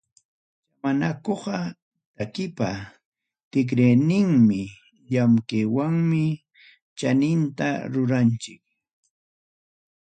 Chamanakuqa takipa tikrayninmi, llamkaywanmi chaninta ruranchik.